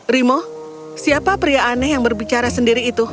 rimo siapa pria aneh yang berbicara sendiri itu